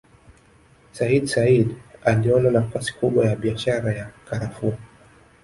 Sayyid Said aliona nafasi kubwa ya biashara ya karafuu